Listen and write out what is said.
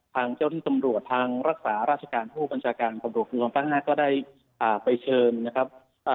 ทางเจ้าที่ตำรวจทางรักษาราชการผู้บัญชาการกรมประกาศก็ได้ไปเชิญนะครับ